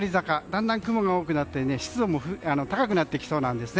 だんだんと雲が多くなって湿度も高くなってきそうです。